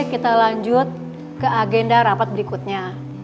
kita lanjut ke agenda rapat berikutnya